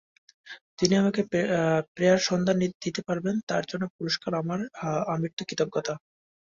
যিনি আমাকে ফ্রেয়ার সন্ধান দিতে পারবেন তাঁর জন্য পুরস্কার আমার আমৃত্যু কৃতজ্ঞতা।